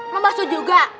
mau bakso juga